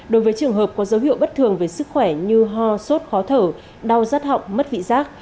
đối với trường hợp có dấu hiệu bất thường về sức khỏe như ho sốt khó thở đau rắt họng mất vị giác